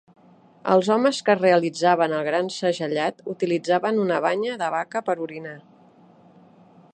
Els homes que es realitzaven el "gran segellat" utilitzaven una banya de vaca per a orinar.